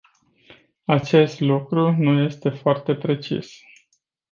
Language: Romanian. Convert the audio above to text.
Acest lucru nu este foarte precis.